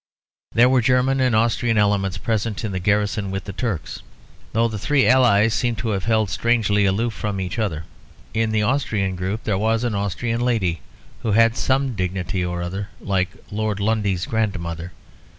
There were German and Austrian elements present in the garrison with the Turks, though the three allies seem to have held strangely aloof from each other. In the Austrian group there was an Austrian lady, "who had some dignity or other," like Lord Lundy's grandmother.